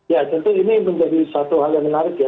ya tentu ini menjadi satu hal yang menarik ya